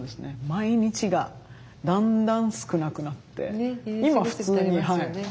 毎日がだんだん少なくなって今普通に朝起きて。